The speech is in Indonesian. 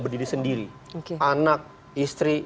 berdiri sendiri anak istri